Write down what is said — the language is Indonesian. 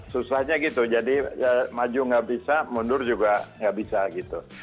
susahnya gitu jadi maju nggak bisa mundur juga nggak bisa gitu